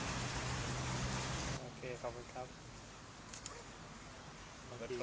โอเคขอบคุณครับ